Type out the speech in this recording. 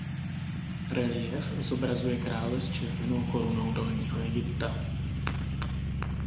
Reliéf zobrazuje krále s červenou korunou Dolního Egypta.